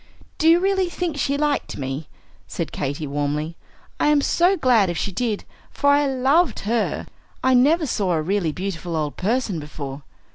"Do you really think she liked me?" said Katy, warmly. "I am so glad if she did, for I loved her. I never saw a really beautiful old person before."